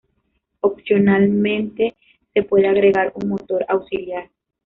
Opcionalmente se puede agregar un motor auxiliar.